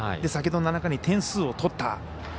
先ほど７回に点数を取った。